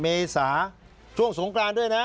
เมษาช่วงสงกรานด้วยนะ